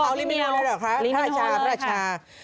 เอาลีมินโฮเลยหรือเปล่าคะพระราชาค่ะลีมินโฮเลยค่ะ